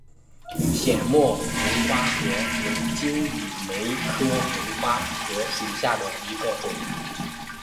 显脉红花荷为金缕梅科红花荷属下的一个种。